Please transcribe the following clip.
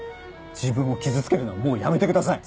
自分を傷つけるのはもうやめてください！